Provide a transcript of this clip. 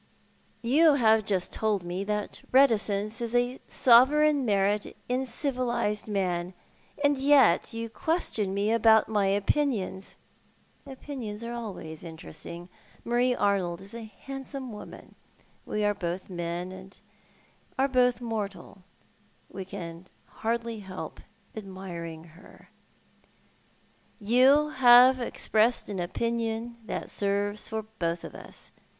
" "You have just told me that reticence is a sovereign merit in civilised man, and yet you question me about my opinions." " Opinions are always interesting. Marie Arnold is a hand some woman. "We are both men, and we are both mortal. We can hardly liolp admiring her." " You have expressed an opinion that serves for both of us.